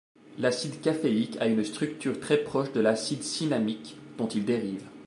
L'acide caféique a une structure très proche de l'acide cinnamique dont il dérive.